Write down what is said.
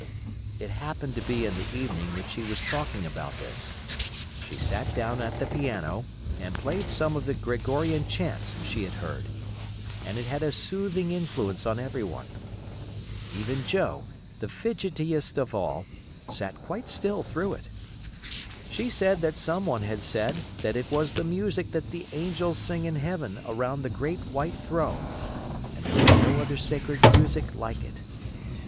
It happened to be in the evening that she was talking about this. She sat down at the piano, and played some of the Gregorian chants she had heard, and it had a soothing influence on everyone. Even Joe, the fidgetiest of all, sat quite still through it. She said that some one had said it was the music that the angels sing in heaven around the great white throne, and there was no other sacred music like it.